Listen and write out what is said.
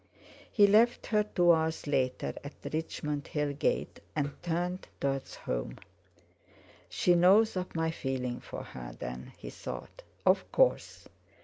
He left her two hours later at the Richmond Hill Gate, and turned towards home. "She knows of my feeling for her, then," he thought. Of course!